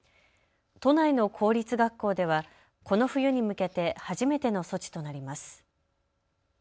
都内の公立学校ではこの冬に向けて初めての措置となります。